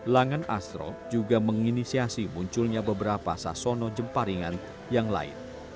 langen astro juga menginisiasi munculnya beberapa sasono jemparingan yang lain